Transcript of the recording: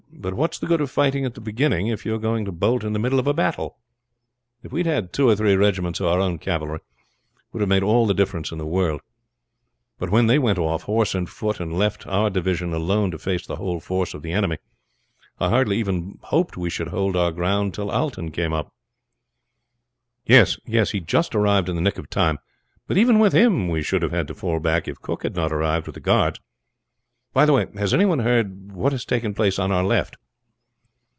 But what's the good of fighting at the beginning if you are going to bolt in the middle of a battle? If we had had two or three regiments of our own cavalry, it would have made all the difference in the world; but when they went off, horse and foot and left our division alone to face the whole force of the enemy, I hardly even hoped we should hold our ground till Alten came up." "Yes, he was just in the nick of time; but even with him we should have had to fall back if Cooke had not arrived with the guards. By the way, has any one heard what has taken place on our left?"